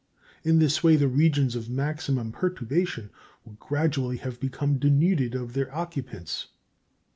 In this way the regions of maximum perturbation would gradually have become denuded of their occupants.